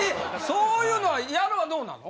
そういうのは矢野はどうなの？